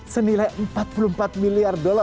senilai empat puluh empat miliar dolar